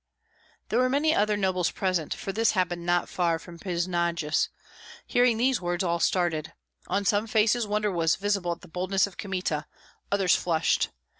There were many other nobles present, for this happened not far from Pjasnysh. Hearing these words, all started. On some faces wonder was visible at the boldness of Kmita; others flushed.